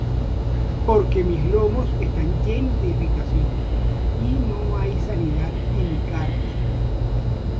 Porque mis lomos están llenos de irritación, Y no hay sanidad en mi carne.